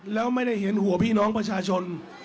แล้วไม่ได้เห็นหัวพี่น้องประชาชน